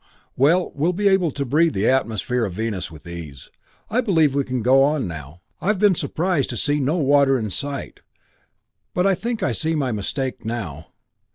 "Well, we'll be able to breathe the atmosphere of Venus with ease. I believe we can go on now. I have been surprised to see no water in sight, but I think I see my mistake now.